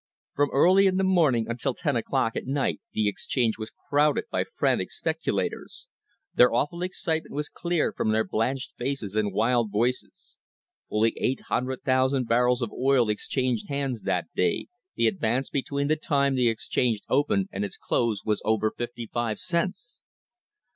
From early in the morning until ten o'clock at night the exchange was crowded by frantic speculators. Their awful excitement was clear from their blanched faces and wild voices. Fully 800,000 barrels of oil exchanged hands that day, the advance THE CRISIS OF 1878 between the time the exchange opened and its close was over fifty five cents.